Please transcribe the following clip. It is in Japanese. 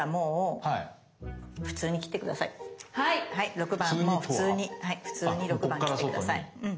６番も普通に普通に６番切って下さい。